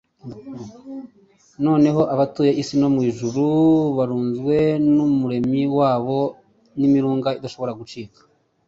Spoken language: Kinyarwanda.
Noneho abatuye isi n'abo mu ijuru buruzwe n'Umuremyi wabo n'imirunga idashobora gucika.